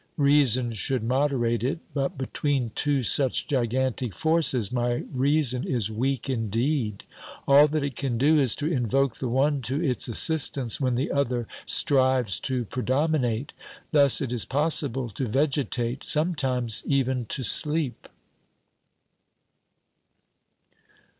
Reason should moderate it, but between two such gigantic forces my reason is weak indeed ] all that it can do is to invoke the one to its assistance when the other strives to predominate. Thus it is possible to vegetate, sometimes even to sleep.